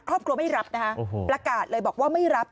ครอบครัวไม่รับนะคะประกาศเลยบอกว่าไม่รับ